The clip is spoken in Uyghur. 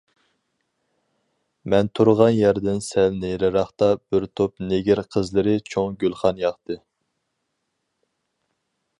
مەن تۇرغان يەردىن سەل نېرىراقتا بىر توپ نېگىر قىزلىرى چوڭ گۈلخان ياقتى.